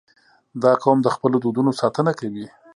• دا قوم د خپلو دودونو ساتنه کوي.